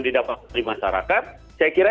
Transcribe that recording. didapat dari masyarakat saya kira